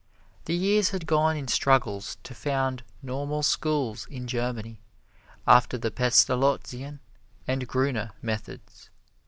The years had gone in struggles to found Normal Schools in Germany after the Pestalozzian and Gruner methods.